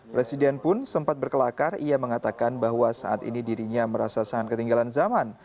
presiden pun sempat berkelakar ia mengatakan bahwa saat ini dirinya merasa sangat ketinggalan zaman